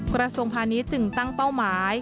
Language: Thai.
กระทรวงพาณิชย์จึงตั้งเป้าหมาย